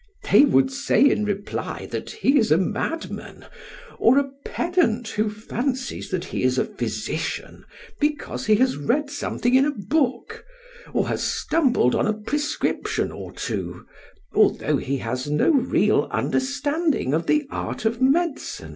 PHAEDRUS: They would say in reply that he is a madman or a pedant who fancies that he is a physician because he has read something in a book, or has stumbled on a prescription or two, although he has no real understanding of the art of medicine.